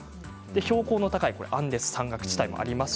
標高の高いアンデス山岳地帯もあります。